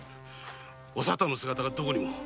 お里の姿がどこにも。